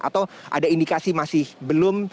atau ada indikasi masih belum